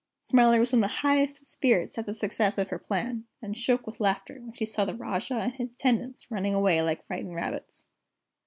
Smiler was in the highest of spirits at the success of her plan, and shook with laughter when she saw the Rajah and his attendants running away like frightened rabbits.